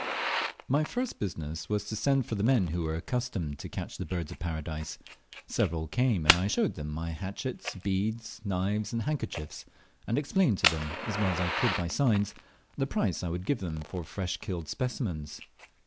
My first business was to send for the men who were accustomed to catch the Birds of Paradise. Several came, and I showed them my hatchets, beads, knives, and handkerchiefs; and explained to them, as well as I could by signs, the price I would give for fresh killed specimens.